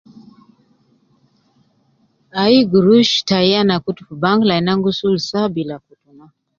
Ai gurush tai ana kutu fi bank lain an gi sul saa bila kutu.